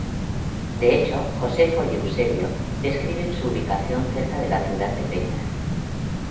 De hecho, Josefo y Eusebio describen su ubicación cerca de la ciudad de Petra.